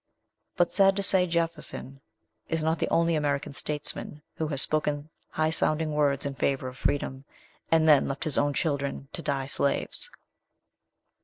But, sad to say, Jefferson is not the only American statesman who has spoken high sounding words in favour of freedom, and then left his own children to die slaves.